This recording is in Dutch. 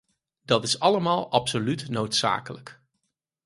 Dat is allemaal absoluut noodzakelijk.